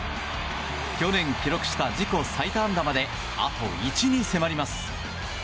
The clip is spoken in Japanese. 去年記録した自己最多安打まであと１に迫ります。